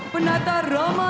penata rama tiga